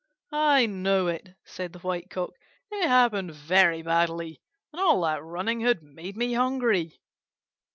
"I know it," said the White Cock. "It happened very badly, and all that running had made me hungry."